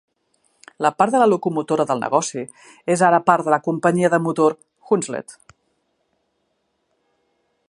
La part de la locomotora del negoci és ara part de la companyia de motor Hunslet.